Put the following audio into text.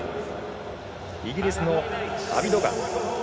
イギリスのアビドガン。